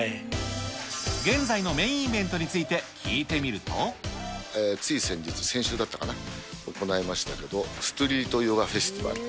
現在のメインイベントについつい先日、先週だったかな、行いましたけど、ストリートヨガフェスティバル。